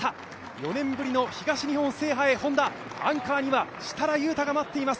４年ぶりの東日本制覇へ、アンカーには設楽悠太が待っています。